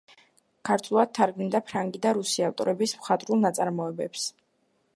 ქართულად თარგმნიდა ფრანგი და რუსი ავტორების მხატვრულ ნაწარმოებებს.